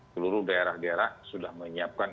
seluruh daerah daerah sudah menyiapkan